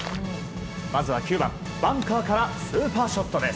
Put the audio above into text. まずは９番、バンカーからスーパーショットです。